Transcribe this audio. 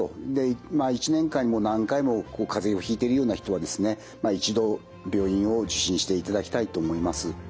まあ一年間にもう何回もかぜをひいてるような人はですね一度病院を受診していただきたいと思います。